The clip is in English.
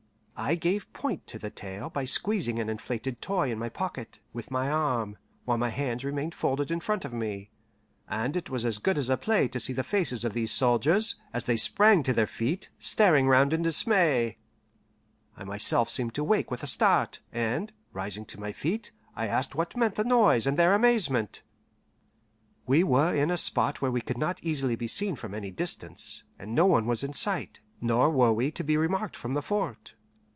I gave point to the tale by squeezing an inflated toy in my pocket, with my arm, while my hands remained folded in front of me; and it was as good as a play to see the faces of these soldiers, as they sprang to their feet, staring round in dismay. I myself seemed to wake with a start, and, rising to my feet, I asked what meant the noise and their amazement. We were in a spot where we could not easily be seen from any distance, and no one was in sight, nor were we to be remarked from the fort.